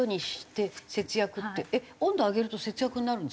えっ温度上げると節約になるんですか？